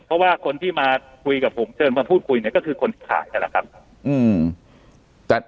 เพราะว่าคนที่มาคุยกับผมเชิญมาพูดคุยก็คือคนขายแหละครับ